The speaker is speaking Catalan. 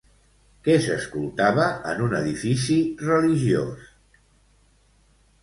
Què s'escoltava en un edifici religiós?